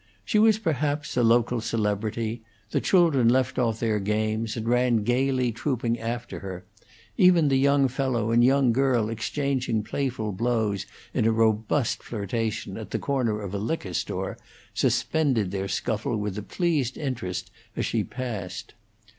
She was perhaps a local celebrity; the children left off their games, and ran gayly trooping after her; even the young fellow and young girl exchanging playful blows in a robust flirtation at the corner of a liquor store suspended their scuffle with a pleased interest as she passed.